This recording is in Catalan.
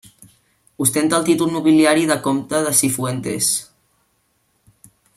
Ostenta el títol nobiliari de comte de Cifuentes.